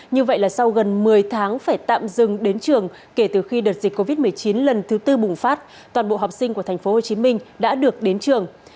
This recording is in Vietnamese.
như vậy là sau gần một mươi tháng phải tạm dừng đến trường kể từ khi đợt dịch covid một mươi chín lần thứ tư bùng phát toàn bộ học sinh của tp hcm đã được đến trường